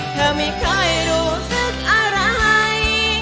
เธอไม่เคยรู้สึกอะไร